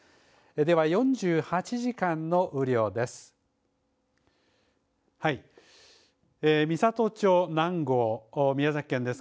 では４８時間の雨量です。